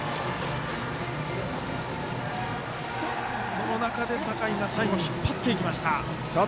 その中で酒井が最後引っ張っていきました。